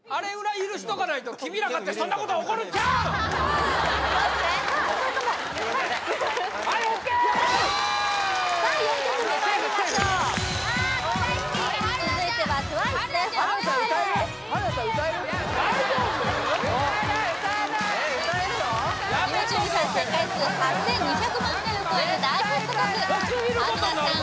やめとけってＹｏｕＴｕｂｅ再生回数８２００万回を超える大ヒット曲春菜さん